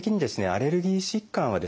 アレルギー疾患はですね